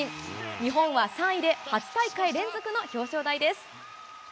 日本は３位で８大会連続の表彰台です。